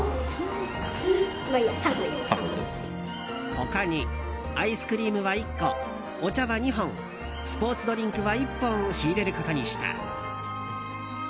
他にアイスクリームは１個お茶は２本スポーツドリンクは１本仕入れることにした。